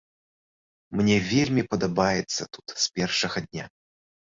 Мне вельмі падабаецца тут з першага дня.